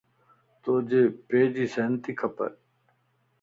توجي پيءَ جي سائن تي کپ